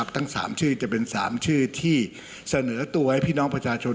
ทั้ง๓ชื่อจะเป็น๓ชื่อที่เสนอตัวให้พี่น้องประชาชน